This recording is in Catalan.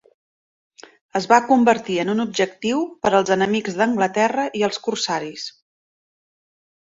Es va convertir en un objectiu per als enemics d'Anglaterra, i els corsaris.